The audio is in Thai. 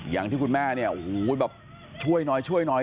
อย่างที่คุณแม่เนี้ยอียแบบช่วยน้อยช่วยน้อย